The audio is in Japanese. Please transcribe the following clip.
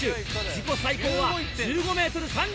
自己最高は１５ｍ３５ｃｍ。